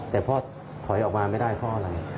แต่พ่อถอยออกมาไม่ได้เพราะอะไร